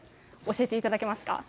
教えていただけますか。